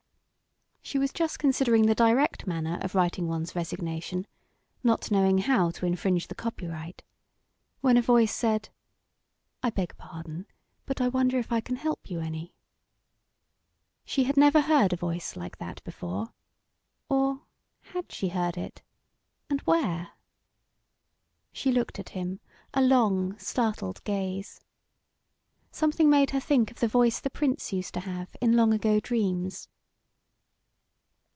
She was just considering the direct manner of writing one's resignation not knowing how to infringe the copyright when a voice said: "I beg pardon, but I wonder if I can help you any?" She had never heard a voice like that before. Or, had she heard it? and where? She looked at him, a long, startled gaze. Something made her think of the voice the prince used to have in long ago dreams.